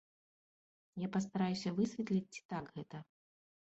Я пастараюся высветліць, ці так гэта.